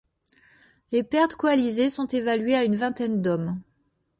Les pertes coalisées sont évaluées à une vingtaine d'hommes.